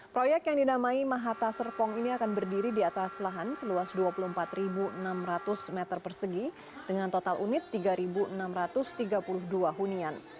proyek yang dinamai mahata serpong ini akan berdiri di atas lahan seluas dua puluh empat enam ratus meter persegi dengan total unit tiga enam ratus tiga puluh dua hunian